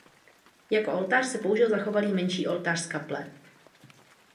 Jako oltář se použil zachovalý menší oltář z kaple.